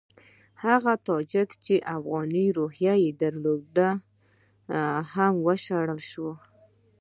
هغه تاجکان چې افغاني روحیې درلودې هم وشړل شول.